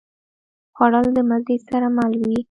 خوړل د مزې سره مل وي